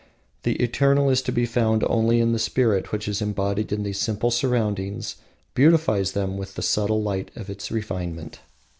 The eternal is to be found only in the spirit which, embodied in these simple surroundings, beautifies them with the subtle light of its refinement.